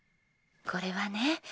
これはね